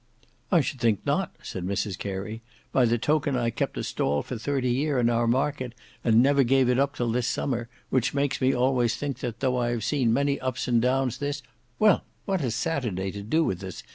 "I should think not," said Mrs Carey, "by the token I kept a stall for thirty year in our market, and never gave it up till this summer, which makes me always think that, though I have seen many ups and downs, this—" "Well, what has Saturday to do with us?"